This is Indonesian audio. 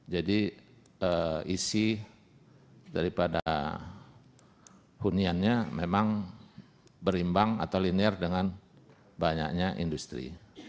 jadi isi daripada huniannya memang berimbang atau linear dengan banyaknya industri